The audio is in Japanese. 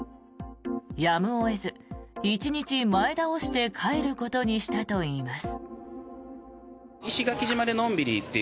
やむを得ず１日前倒して帰ることにしたといいます。